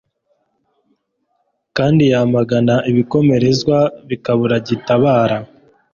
kandi yamagana ibikomerezwa, bikabura gitabara